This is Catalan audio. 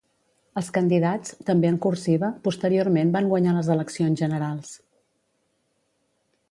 Els candidats, també en cursiva, posteriorment van guanyar les eleccions generals.